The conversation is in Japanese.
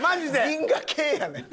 銀河系やねん。